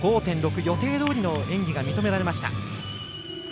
予定どおりの演技が認められました。